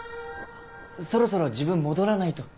そろそろ自分戻らないと。